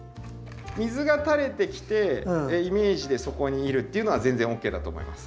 水がたれてきてイメージでそこにいるっていうのは全然ＯＫだと思います。